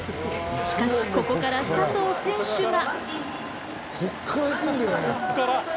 しかしここから佐藤選手は。